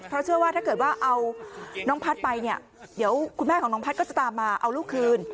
เพราะเชื่อว่าถ้าเกิดว่าเอาน้องพัฒน์ไปเนี่ยเดี๋ยวคุณแม่ของน้องพัฒน์ก็จะตามมาเอาลูกคืน